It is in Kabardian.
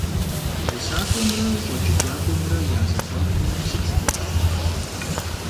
УсакӀуэмрэ щӀэджыкӀакӀуэмрэ я зэхуакум сыт дэлъ?